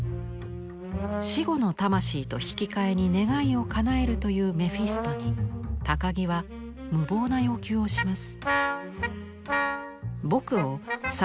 死後の魂と引き換えに願いをかなえるというメフィストに高木は無謀な要求をします。